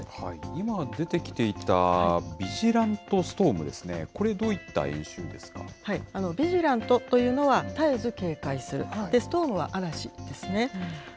今、出てきていたヴィジラント・ストームですね、これ、どうヴィジラントというのは、絶えず警戒する、ストームは嵐ですね。